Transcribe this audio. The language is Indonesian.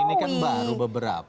ini kan baru beberapa